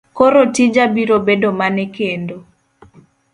Koro tija biro bedo mane kendo?